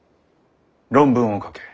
論文を書け。